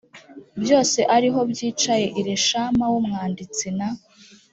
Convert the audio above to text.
byose ari ho byicaye elishama w umwanditsi na